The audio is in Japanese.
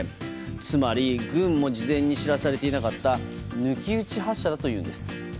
つまり、軍も事前に知らされていなかった抜き打ち発射だというんです。